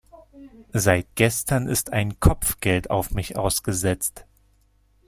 Seit gestern ist ein Kopfgeld auf mich ausgesetzt.